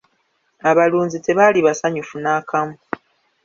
Abalunzi tebaali basanyufu n'akamu.